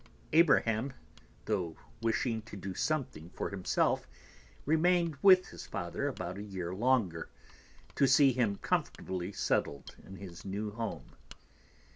Abraham, though wishing to do something for himself, remained with his father about a year longer, to see him comfortably settled in his new home.